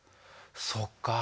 そっか。